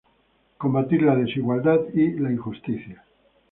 Combatir la desigualdad y la injusticia.